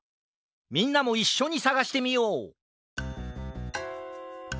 みんなもいっしょにさがしてみよう！